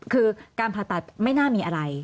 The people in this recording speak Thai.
คือการผ่าตัดไม่น่ามีอะไร